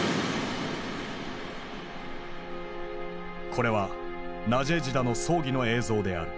これはナジェージダの葬儀の映像である。